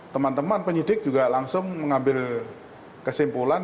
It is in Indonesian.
teman teman penyidik juga langsung mengambil kesimpulan